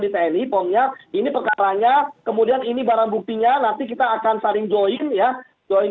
tni pomnya ini perkaranya kemudian ini barang buktinya nanti kita akan saling join ya join